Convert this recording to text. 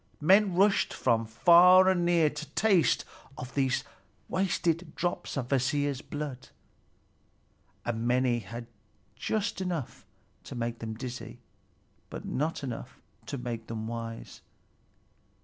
Men rushed from far and near to taste of these wasted drops of Kvasir's blood, and many had just enough to make them dizzy, but not enough to make them wise.